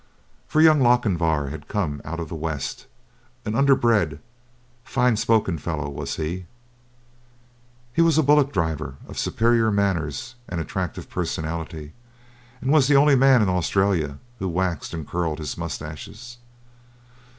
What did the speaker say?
"For young Lochinvar had come out of the West, And an underbred, fine spoken fellow was he." He was a bullock driver of superior manners and attractive personality, and was the only man in Australia who waxed and curled his moustaches.